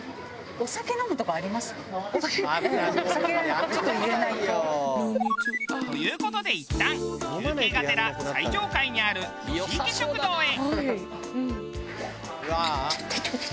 お酒飲むとこあります？という事でいったん休憩がてら最上階にある吉池食堂へ。